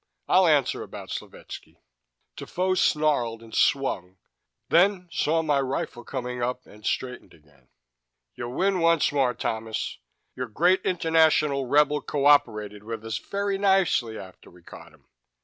I'll answer about Slovetski." Defoe snarled and swung, then saw my rifle coming up, and straightened again. "You win once more, Thomas. Your great international rebel cooperated with us very nicely after we caught him.